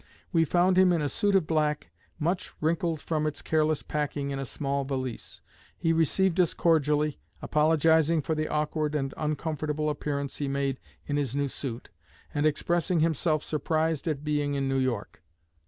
We found him in a suit of black, much wrinkled from its careless packing in a small valise. He received us cordially, apologizing for the awkward and uncomfortable appearance he made in his new suit, and expressing himself surprised at being in New York.